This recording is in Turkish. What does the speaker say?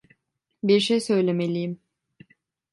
Bir şey söylemeliyim.